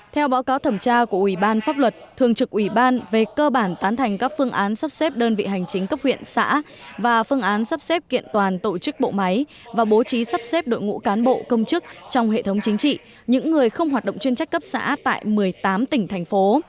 theo báo cáo thẩm tra của ủy ban pháp luật thường trực ủy ban về cơ bản tán thành các phương án sắp xếp đơn vị hành chính cấp huyện xã và phương án sắp xếp kiện toàn tổ chức bộ máy và bố trí sắp xếp đội ngũ cán bộ công chức trong hệ thống chính trị những người không hoạt động chuyên trách cấp xã tại một mươi tám tỉnh thành phố